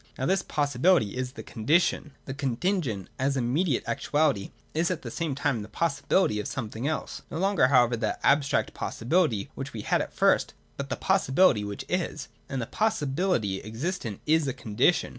Now this possibility is the Condition. The Contingent, as the immediate actuality, is at the same time the possibility of somewhat else, — no longer however that abstract possibihty which we had at first, but the possi bility ■which 25. And a possibility existent is a Condition.